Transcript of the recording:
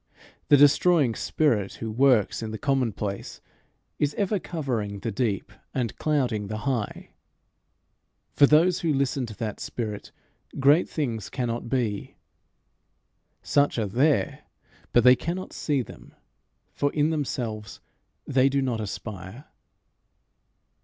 The destroying spirit, who works in the commonplace, is ever covering the deep and clouding the high. For those who listen to that spirit great things cannot be. Such are there, but they cannot see them, for in themselves they do not aspire.